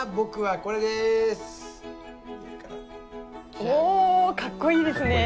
おかっこいいですね。